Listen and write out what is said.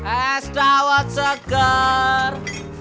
es dawat segar